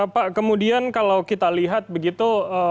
pak kemudian kalau kita lihat begitu